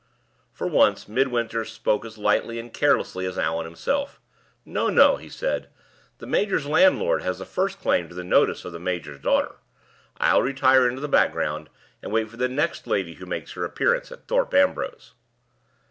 For once Midwinter spoke as lightly and carelessly as Allan himself. "No, no," he said, "the major's landlord has the first claim to the notice of the major's daughter. I'll retire into the background, and wait for the next lady who makes her appearance at Thorpe Ambrose."